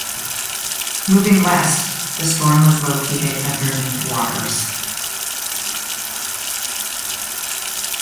Moving west, the storm was located underneath waters.